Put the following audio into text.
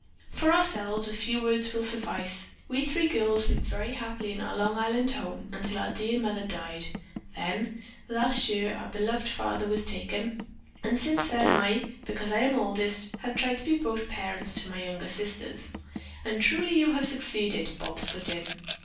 "For ourselves a few words will suffice. We three girls lived very happily in our Long Island home until our dear mother died; then, last year, our beloved father was taken, and since then I, because I am oldest, have tried to be both parents to my younger sisters." "And truly you have succeeded," Bobs put in.